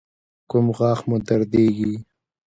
کوم غاښ مو دردیږي؟